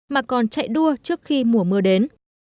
mà còn chạy đua trước khi mùa mưa đến